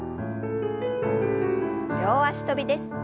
両脚跳びです。